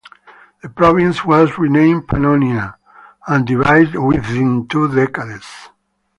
The province was renamed Pannonia and divided within two decades.